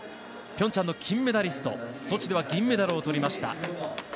ピョンチャンの金メダリストソチでは銀メダルをとりました。